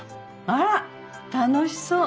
あら楽しそう。